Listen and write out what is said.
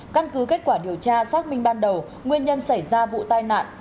căn cứ kết quả điều tra xác minh ban đầu nguyên nhân xảy ra vụ tai nạn